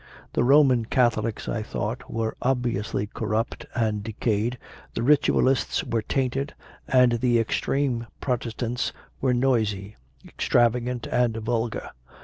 The Roman Catholics, I thought, were obviously corrupt and decayed, the Ritualists were tainted, and the extreme Protes tants were noisy, extravagant, and vulgar.